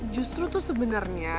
justru tuh sebenernya